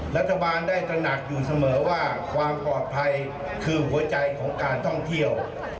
รัฐบาลได้ตระหนักอยู่เสมอว่าความปลอดภัยคือหัวใจของการท่องเที่ยว